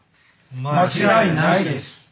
間違いないです。